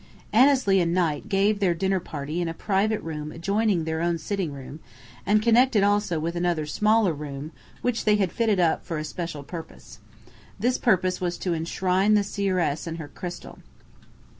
Annesley and Knight gave their dinner party in a private room adjoining their own sitting room, and connecting also with another smaller room which they had had fitted up for a special purpose. This purpose was to enshrine the seeress and her crystal.